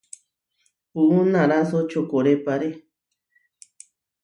Puú naráso čokorépare.